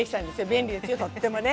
便利です。